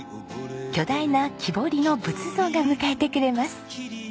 巨大な木彫りの仏像が迎えてくれます。